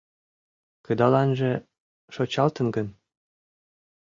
Кыдаланже шочалтын гын